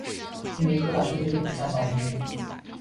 今年科大讯飞的股价涨了没有？